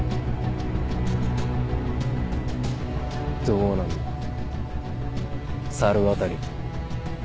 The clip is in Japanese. どうなんだ猿渡。